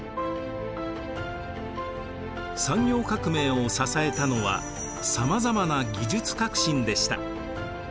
産業革命を支えたのはさまざまな技術革新でした。